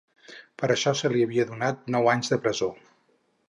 Per això, se li havia donat nou anys de presó.